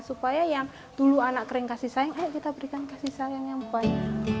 supaya yang dulu anak kering kasih sayang ayo kita berikan kasih sayang yang baik